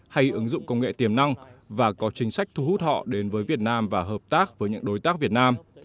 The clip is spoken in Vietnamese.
hay ứng dụng công nghệ tiềm năng và có chính sách thu hút họ đến với việt nam và hợp tác với những đối tác việt nam